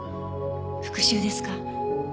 復讐ですか？